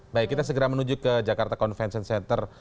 baik kita segera menuju ke jakarta convention center